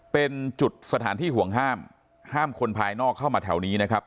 เป็นจุดสถานที่ห่วงห้ามห้ามคนภายนอกเข้ามาแถวนี้นะครับ